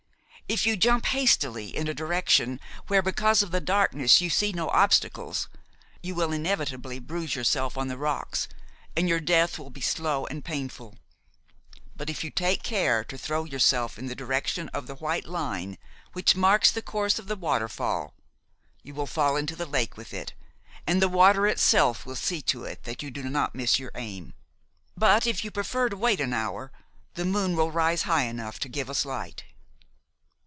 If you jump hastily in a direction where, because of the darkness, you see no obstacles, you will inevitably bruise yourself on the rocks and your death will be slow and painful; but, if you take care to throw yourself in the direction of the white line which marks the course of the waterfall you will fall into the lake with it, and the water itself will see to it that you do not miss your aim. But, if you prefer to wait an hour, the moon will rise high enough to give us light."